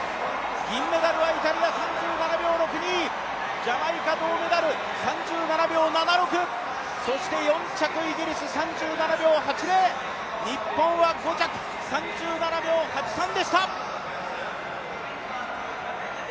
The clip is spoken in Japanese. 銀メダルはイタリア３７秒６２、ジャマイカ銅メダル３７秒７６そして４着、イギリス、３７秒８０、日本は５着３７秒８３でした。